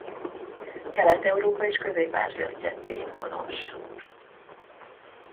Kelet-Európa és Közép-Ázsia sztyeppéin honos.